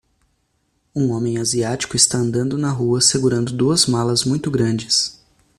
Um homem asiático está andando na rua segurando duas malas muito grandes.